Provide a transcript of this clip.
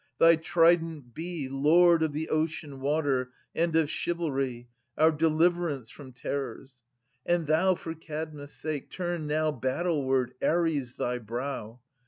Thy trident be, 130 Lord of the ocean water And of chivalry, Our deliverance from terrors ! And thou For Kadmus* sake turn now Battleward, Ares, thy brow